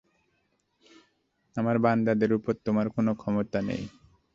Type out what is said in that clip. আমার বান্দাদের উপর তোমার কোন ক্ষমতা নেই।